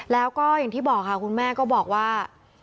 แล้วก็อย่างที่บอกค่ะคุณแม่ก็บอกว่า